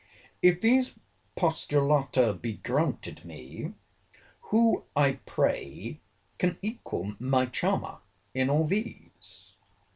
If these postulata be granted me, who, I pray, can equal my charmer in all these?